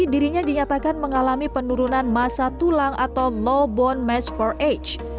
dirinya dinyatakan mengalami penurunan masa tulang atau low bond mask for age